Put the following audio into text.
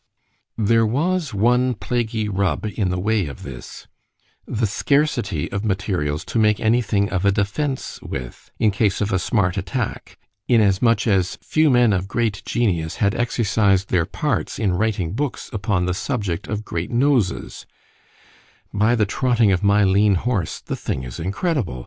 There was one plaguy rub in the way of this——the scarcity of materials to make any thing of a defence with, in case of a smart attack; inasmuch as few men of great genius had exercised their parts in writing books upon the subject of great noses: by the trotting of my lean horse, the thing is incredible!